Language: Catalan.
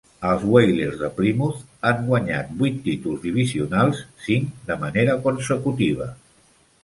Els Whalers de Plymouth han guanyat vuit títols divisionals, cinc de manera consecutiva.